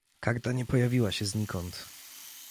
Karta nie pojawiła się znikąd